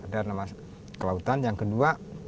dan kelautan yang kedua